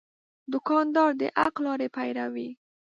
دوکاندار د حق لارې پیرو وي.